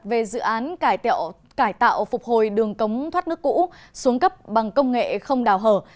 về dự án cải tạo phục hồi đường cống thoát nước cũ xuống cấp bằng công nghệ không đào hở